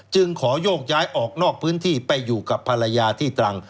ขอโยกย้ายออกนอกพื้นที่ไปอยู่กับภรรยาที่ตรัง